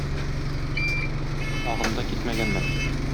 Агымда китмәгәнмен.